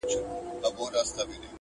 o الوپه شوتالو پېوند دي!